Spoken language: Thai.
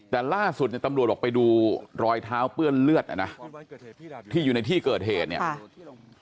แต่ล่าสุดเนี่ยตำรวจบอกไปดูรอยเท้าเปื้อนเลือดอ่ะนะที่อยู่ในที่เกิดเหตุเนี่ย